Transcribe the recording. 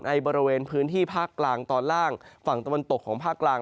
ในบริเวณพื้นที่ภาคกลางตอนล่างฝั่งตะวันตกของภาคกลาง